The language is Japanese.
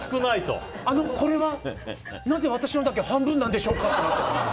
あの、これは、なぜ私のだけ半分なんでしょうかって。